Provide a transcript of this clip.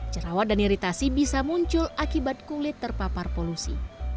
jerawat dan iritasi bisa muncul akibat kulit terpapar polusi